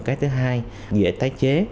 cái thứ hai dễ tái chế